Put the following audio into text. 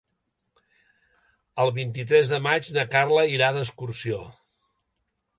El vint-i-tres de maig na Carla irà d'excursió.